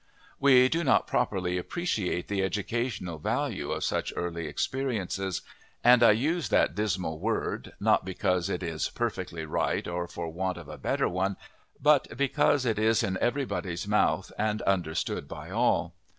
We do not properly appreciate the educational value of such early experiences; and I use that dismal word not because it is perfectly right or for want of a better one, but because it is in everybody's mouth and understood by all.